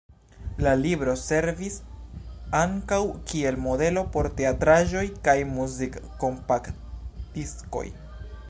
La libro servis ankaŭ kiel modelo por teatraĵoj kaj muzik-kompaktdiskoj.